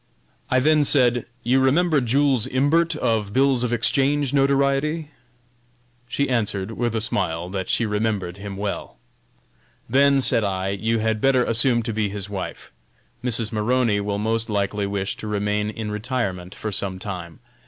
I then said: "You remember Jules Imbert, of Bills of Exchange notoriety?" She answered, with a smile, that she remembered him well. "Then," said I, "you had better assume to be his wife. Mrs. Maroney will most likely wish to remain in retirement for some time.